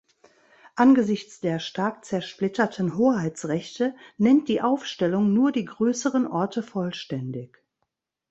Angesichts der stark zersplitterten Hoheitsrechte nennt die Aufstellung nur die größeren Orte vollständig.